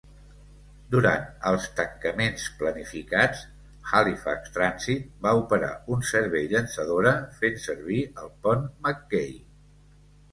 Durant els tancaments planificats, Halifax Transit va operar un servei llançadora fent servir el pont MacKay.